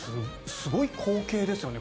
すごい光景ですよね。